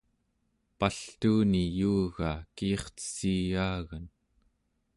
paltuuni yuugaa kiircetsiyaagan